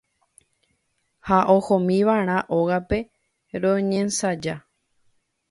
ha ohomiva'erã ógape roñensaja.